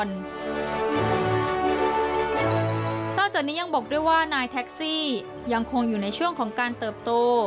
นอกจากนี้ยังบอกด้วยว่านายแท็กซี่ยังคงอยู่ในช่วงของการเติบโต